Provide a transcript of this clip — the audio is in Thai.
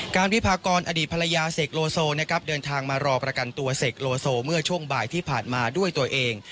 วิพากรอดีตภรรยาเสกโลโซนะครับเดินทางมารอประกันตัวเสกโลโซเมื่อช่วงบ่ายที่ผ่านมาด้วยตัวเอง